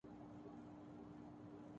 ی حاصل نہیں کر سک